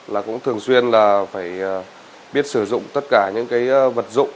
là cũng thường xuyên là phải biết sử dụng tất cả những cái vật dụng